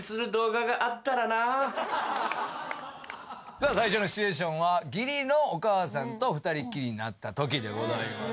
では最初のシチュエーションは義理のお義母さんと２人きりになった時でございます。